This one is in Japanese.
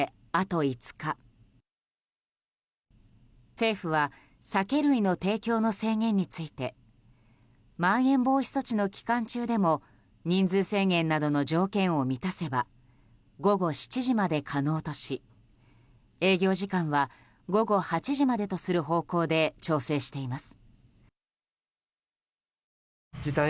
政府は酒類の提供の制限についてまん延防止措置の期間中でも人数制限などの条件を満たせば午後７時まで可能とし営業時間は午後８時までとする方向で調整しています。